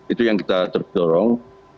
itu yang kita tercorong